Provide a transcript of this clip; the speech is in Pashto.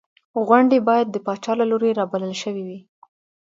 غونډې باید د پاچا له لوري رابلل شوې وې.